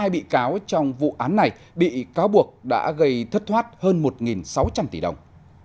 một mươi bị cáo trong vụ án này bị cáo buộc đã gây thất thoát hơn một sáu trăm linh tỷ đồng